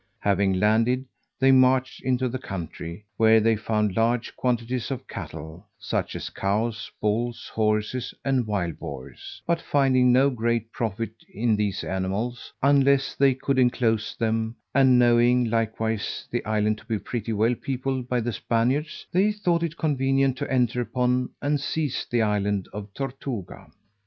Having landed, they marched into the country, where they found large quantities of cattle; such as cows, bulls, horses, and wild boars: but finding no great profit in these animals, unless they could enclose them, and knowing, likewise, the island to be pretty well peopled by the Spaniards, they thought it convenient to enter upon and seize the island of Tortuga.